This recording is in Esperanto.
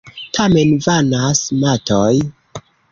Tamen vanas matoj.